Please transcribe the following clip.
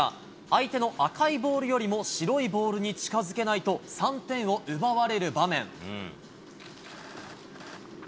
相手の赤いボールよりも、白いボールに近づけないと、３点を奪われる場面。